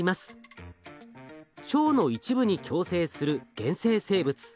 腸の一部に共生する原生生物。